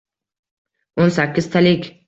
- O‘n sakkiztalik